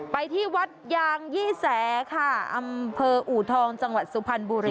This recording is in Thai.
ไปที่วัดยางยี่แสค่ะอำเภออูทองจังหวัดสุพรรณบุรี